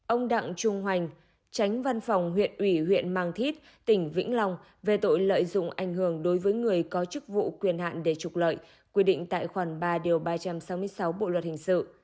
chín ông đặng trung hoành tránh văn phòng huyện ủy huyện mang thít tỉnh vĩnh long về tội lợi dụng ảnh hưởng đối với người có chức vụ quyền hạn để trục lợi quy định tại khoản ba điều ba trăm sáu mươi sáu bộ luật hình sự